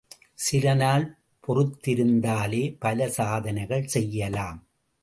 சில நாள் பொறுத்திருந்தாலே பல சாதனைகள் செய்யலாம்.